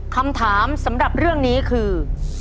คำถามสำหรับเรื่องนี้คือ